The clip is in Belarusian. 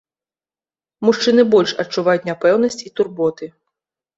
Мужчыны больш адчуваюць няпэўнасць і турботы.